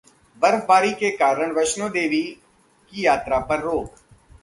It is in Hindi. बर्फबारी के कारण वैष्णो देवी की यात्रा पर रोक